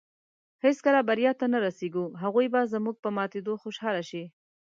هېڅکله بریا ته نۀ رسېږو. هغوی به زموږ په ماتېدو خوشحاله شي